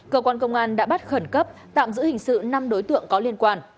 cơ quan công an đã bắt khẩn cấp tạm giữ hình sự năm đối tượng có liên quan